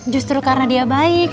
justru karena dia baik